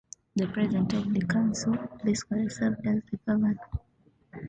The President of the Council basically served as governor.